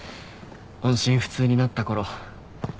音信不通になったころ。